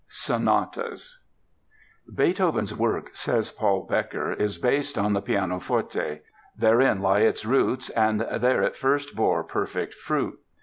Sonatas "Beethoven's work," says Paul Bekker, "is based on the pianoforte; therein lie its roots and there it first bore perfect fruit."